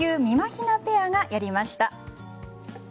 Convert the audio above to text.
ひなペアがやりました。